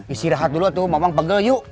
isi rahat dulu tuh mamang pegel yuk